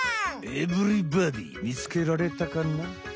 エブリバディーみつけられたかな？